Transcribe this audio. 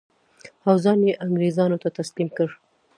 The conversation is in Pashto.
او ځان یې انګرېزانو ته تسلیم کړ.